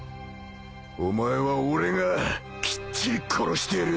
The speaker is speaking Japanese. お前は俺がきっちり殺してやる。